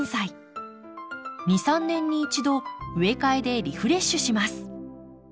２３年に１度植え替えでリフレッシュします。